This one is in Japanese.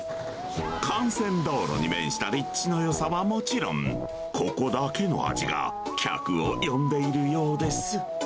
幹線道路に面した立地のよさはもちろん、ここだけの味が客を呼んでいるようです。